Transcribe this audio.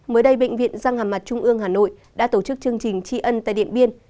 mới đây bệnh viện gia hàm mặt trung ương hà nội đã tổ chức chương trình tri ân tại điện biên